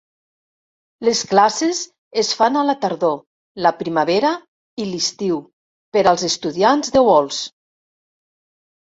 Les classes es fan a la tardor, la primavera i l'estiu per als estudiants de Walsh.